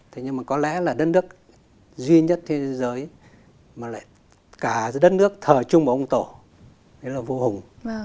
thế nhưng mà có lẽ là đất nước duy nhất thế giới mà cả đất nước thờ chung một ông tổ đấy là vua hùng